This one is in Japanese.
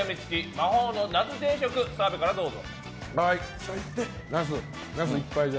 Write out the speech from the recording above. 魔法のナス定食澤部からどうぞ。